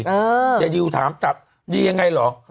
เออยายดิวถามจับดียังไงเหรออืม